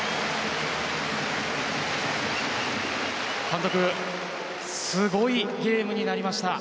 監督、すごいゲームになりました。